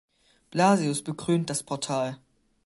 Blasius, bekrönt das Portal.